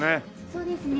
そうですね。